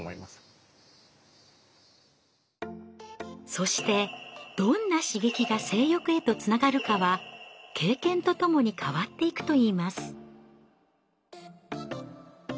そしてどんな刺激が性欲へとつながるかは経験とともに変わっていくといいます。